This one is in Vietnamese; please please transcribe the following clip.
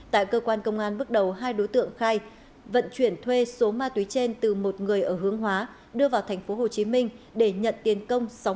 tại cơ quan công an bước đầu hai đối tượng khai vận chuyển thuê số ma túy trên từ một người ở hướng hóa đưa vào thành phố hồ chí minh để nhận tiền công sáu mươi triệu đồng